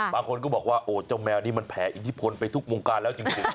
บางคนก็บอกว่าโอ้เจ้าแมวนี้มันแผลอิทธิพลไปทุกวงการแล้วจริง